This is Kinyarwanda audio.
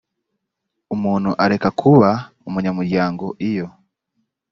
umuntu areka kuba umunyamuryango iyo